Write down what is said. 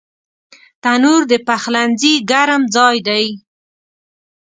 تنور د پخلنځي ګرم ځای دی